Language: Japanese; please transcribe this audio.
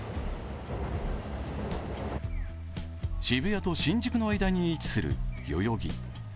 渋谷と新宿の間に位置する代々木。